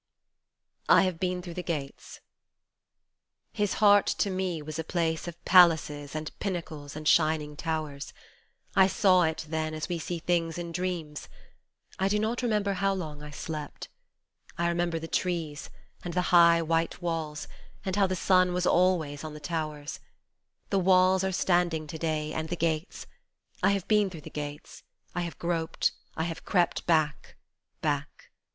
57 I HAVE BEEN THROUGH THE GATES HIS heart, to me, was a place of palaces and pinnacles and shining towers ; I saw it then as we see things in dreams, I do not remember how long I slept ; I remember the trees, and the high, white walls, and how the sun was always on the towers ; The walls are standing to day, and the gates : I have been through the gates, I have groped, I have crept Back, back.